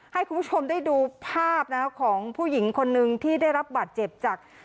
ให้คุณผู้ชมได้ดูภาพของผู้หญิงคนนึงที่ได้รับบาดเจ็บจาก